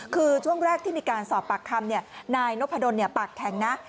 คือช่วงแรกที่มีการสอบปากคำนายนพดลปากแข็งนะ